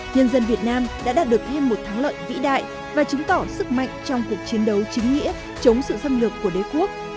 nhân dân việt nam đã đạt được thêm một thắng lợi vĩ đại và chứng tỏ sức mạnh trong cuộc chiến đấu chính nghĩa chống sự xâm lược của đế quốc